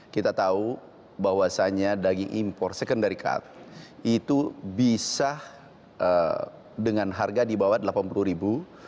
kita tahu bahwasannya daging impor secondary card itu bisa dengan harga di bawah delapan puluh ribu